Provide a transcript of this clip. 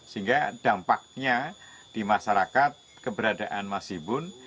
sehingga dampaknya di masyarakat keberadaan mas si boen